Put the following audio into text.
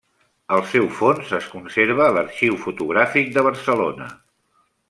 El seu fons es conserva a l'Arxiu Fotogràfic de Barcelona.